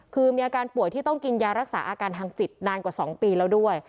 คือมีอาการป่วยที่ต้องกินยารักษาอาการทางจิตนานกว่า๒ปีแล้วด้วย